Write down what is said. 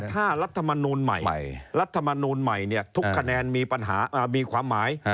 แต่ถ้ารัฐมนูญใหม่ทุกคะแนนมีความหมาย